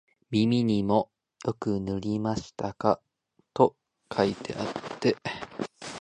耳にもよく塗りましたか、と書いてあって、